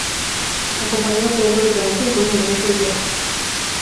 Acompañó a Pedro el Grande en sus numerosos viajes.